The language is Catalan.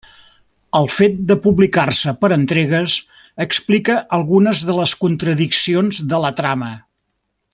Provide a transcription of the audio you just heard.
El fet de publicar-se per entregues explica algunes de les contradiccions de la trama.